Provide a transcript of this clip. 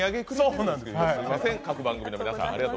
すみません、各番組の皆さん。